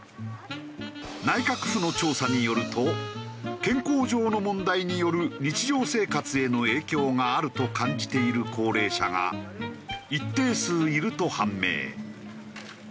内閣府の調査によると健康上の問題による日常生活への影響があると感じている高齢者が一定数いると判明。